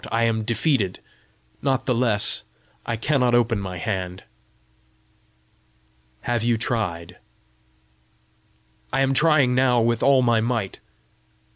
I am defeated. Not the less, I cannot open my hand." "Have you tried?" "I am trying now with all my might."